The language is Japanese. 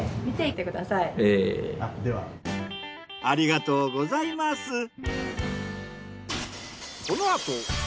ありがとうございます。